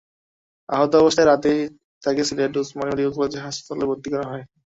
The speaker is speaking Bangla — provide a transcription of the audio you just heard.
আহত অবস্থায় রাতেই তাঁকে সিলেট ওসমানী মেডিকেল কলেজ হাসপাতালে ভর্তি করা হয়।